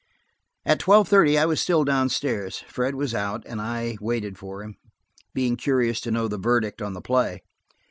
At tweIve thirty I was still downstairs; Fred was out, and I waited for him, being curious to know the verdict on the play.